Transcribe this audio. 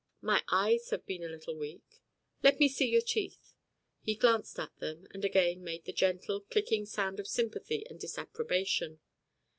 "My eyes have been a little weak." "Let me see your teeth." He glanced at them, and again made the gentle, clicking sound of sympathy and disapprobation.